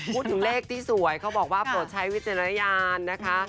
พูดถึงเลขที่สวยเขาบอกว่าโปรดใช้วิจารณญาณนะคะ